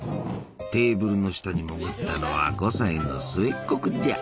テーブルの下に潜ったのは５歳の末っ子君じゃ。